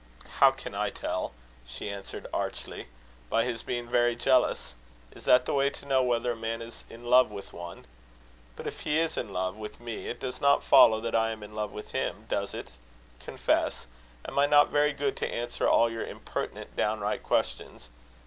"How can I tell?" she answered archly. "By his being very jealous? Is that the way to know whether a man is in love with one? But if he is in love with me, it does not follow that I am in love with him does it? Confess. Am I not very good to answer all your impertinent downright questions?